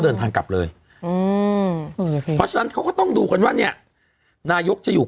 เดินทางกลับเลยอืมเพราะฉะนั้นเขาก็ต้องดูกันว่าเนี้ยนายกจะอยู่